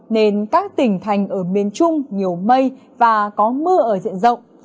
nên các tỉnh thành ở miền trung nhiều mây và có mưa ở diện rộng